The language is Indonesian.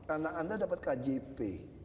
anak anda dapat kjp